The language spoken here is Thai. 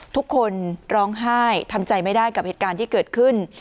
ทุกคนร้องไห้ทำใจไม่ได้กับเหตุการณ์ที่เกิดขึ้น